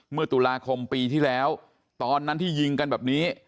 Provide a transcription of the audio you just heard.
เมื่อตุลาคมปีที่แล้วตอนนั้นที่ยิงกันแบบนี้